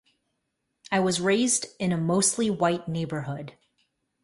I was raised in a mostly white neighborhood.